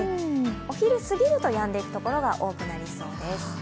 お昼すぎるとやんでいくところが多くなりそうです。